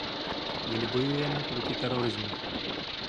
My nebojujeme proti terorismu.